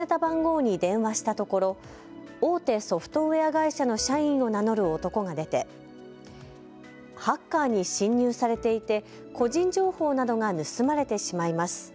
慌てた女性が表示された番号に電話したところ大手ソフトウエア会社の社員を名乗る男が出てハッカーに侵入されていて個人情報などが盗まれてしまいます。